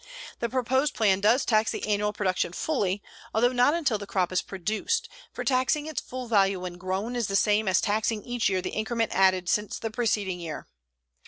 The proposed plan does tax the annual production fully, although not until the crop is produced, for taxing its full value when grown is the same as taxing each year the increment added since the preceding year.